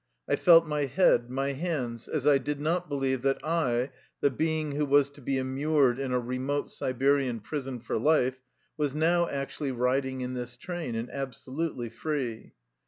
I felt my head, my hands, as I did not believe that I, the being who was to be immured in a remote Siberian prison for life, was now actually riding in this train, and abso lutely free.